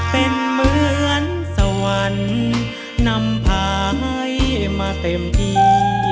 เป็นเหมือนสวรรค์นำพาให้มาเต็มที่